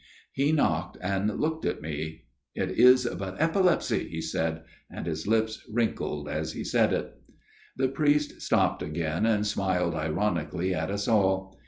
" He knocked and looked at me. ' It is but epilepsy,* he said, and his lips wrinkled as he said it." The priest stopped again, and smiled ironically at us all.